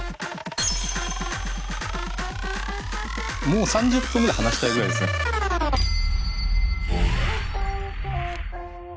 もう３０分ぐらい話したいぐらいですね。